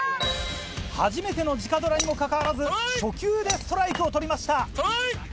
初めての直ドラにもかかわらず初球でストライクを取りました。